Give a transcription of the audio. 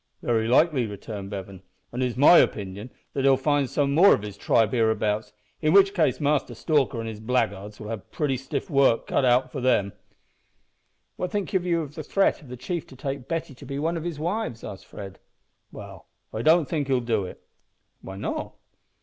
"Very likely," returned Bevan; "an' it's my opinion that he'll find some more of his tribe hereabouts, in which case Master Stalker and his blackguards will have pretty stiff work cut out for them." "What think you of the threat of the chief to take Betty to be one of his wives?" asked Fred. "Well, I don't think he'll do it." "Why not?"